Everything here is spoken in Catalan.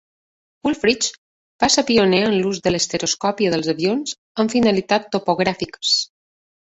Pulfrich va ser pioner en l'ús de l'estereoscòpia dels avions amb finalitats topogràfiques.